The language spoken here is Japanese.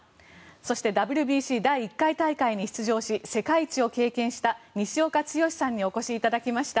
そしてＷＢＣ第１回大会に出場し世界一を経験した西岡剛さんにお越しいただきました。